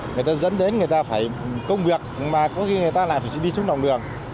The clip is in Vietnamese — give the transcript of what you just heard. người ta dẫn đến người ta phải công việc mà có khi người ta lại phải đi xuống lòng đường